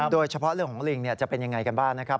โดยเฉพาะเรื่องของลิงจะเป็นยังไงกันบ้างนะครับ